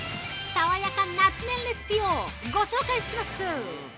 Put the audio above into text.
爽やか夏麺レシピをご紹介します！